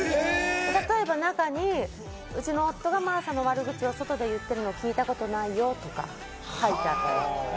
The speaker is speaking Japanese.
例えば中に、うちの夫が真麻の悪口を外で言ってるのを聞いたことがないよとか書いてあった。